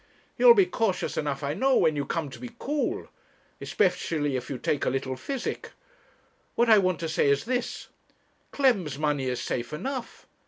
You'll be cautious enough I know when you come to be cool; especially if you take a little physic. What I want to say is this Clem's money is safe enough.